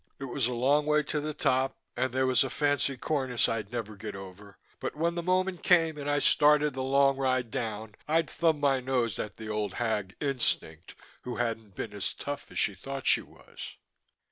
It was a long way to the top, and there was a fancy cornice I'd never get over, but when the moment came and I started the long ride down I'd thumb my nose at the old hag, Instinct, who hadn't been as tough as she thought she was....